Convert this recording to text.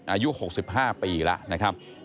อายุ๖๕ปีแล้วนะครับ